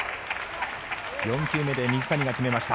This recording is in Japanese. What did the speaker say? ４球目で水谷が決めました。